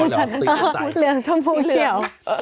อ๋อเหรอสุดยอดต่างพุทธเรียงชมพุทธเรียง